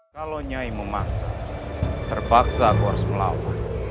kalau nyai memasak terpaksa aku harus melawan